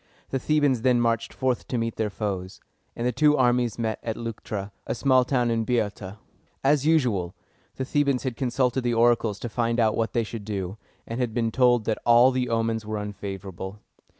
The Thebans then marched forth to meet their foes; and the two armies met at Leuc´tra, a small town in Boeotia. As usual, the Thebans had consulted the oracles to find out what they should do, and had been told that all the omens were unfavorable.